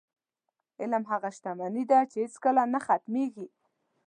علم هغه شتمني ده، چې هېڅکله نه ختمېږي.